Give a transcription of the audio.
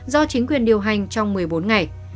do chính quyền điều hành trong một mươi bốn ngày